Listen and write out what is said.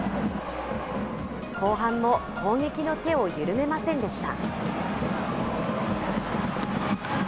後半も攻撃の手を緩めませんでした。